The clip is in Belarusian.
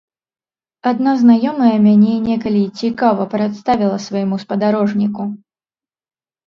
Адна знаёмая мяне некалі цікава прадставіла свайму спадарожніку.